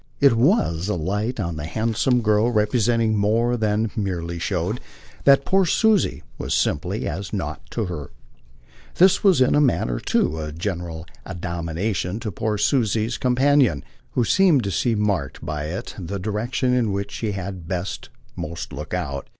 It was a light on the handsome girl representing more than merely showed that poor Susie was simply as nought to her. This was in a manner too a general admonition to poor Susie's companion, who seemed to see marked by it the direction in which she had best most look out.